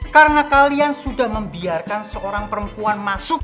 karena kalian sudah membiarkan seorang perempuan masuk